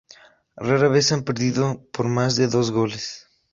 Rara vez han perdido por más de dos goles.